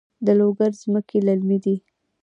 د لوګر ځمکې للمي دي